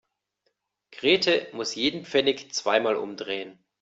Grete muss jeden Pfennig zweimal umdrehen.